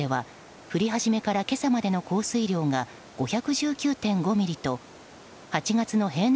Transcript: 佐治町では降り始めから今朝までの降水量が５１９．５ミリと８月の平年